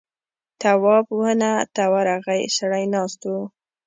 تواب ونه ته ورغی سړی ناست و.